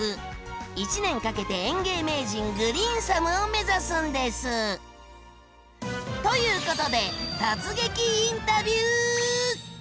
１年かけて園芸名人「グリーンサム」を目指すんです！ということで突撃インタビュー！